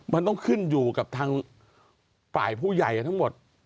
มันต้องขึ้นอยู่กับทางฝ่ายผู้ใหญ่ทั้งหมด